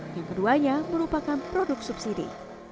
yang keduanya merupakan produk subsidi